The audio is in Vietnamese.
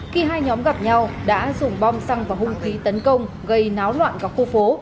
khi hai nhóm gặp nhau đã dùng bom xăng và hung khí tấn công gây náo loạn cả khu phố